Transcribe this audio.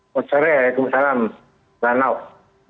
selamat sore assalamualaikum